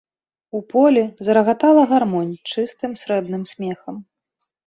У полі зарагатала гармонь чыстым срэбным смехам.